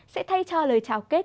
sẽ thay cho lời chào kết